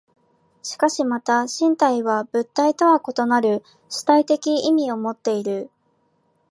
しかしまた身体は物体とは異なる主体的意味をもっている。